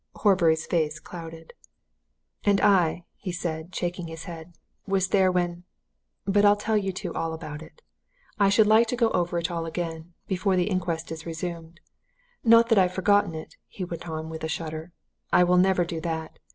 Horbury's face clouded. "And I," he said, shaking his head, "was there when but I'll tell you two all about it. I should like to go over it all again before the inquest is resumed. Not that I've forgotten it," he went on, with a shudder. "I will never do that!